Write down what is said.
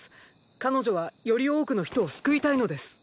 彼女はより多くの人を救いたいのです。